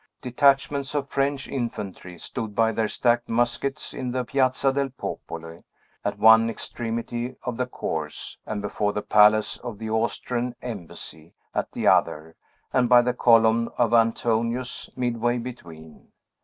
Detachments of French infantry stood by their stacked muskets in the Piazza del Popolo, at one extremity of the course, and before the palace of the Austrian embassy, at the other, and by the column of Antoninus, midway between.